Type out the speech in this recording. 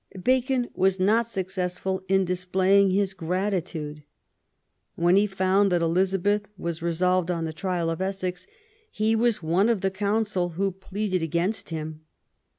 Bacon was not suc cessful in displaying his gratitude. When he found that Elizabeth was resolved on the trial of Essex he was one of the counsel who pleaded against him.